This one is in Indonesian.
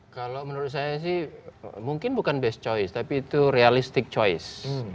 kalau menurut saya sih mungkin bukan best choice tapi itu realistic choice